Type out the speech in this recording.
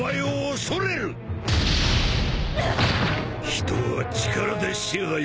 人は力で支配しろ。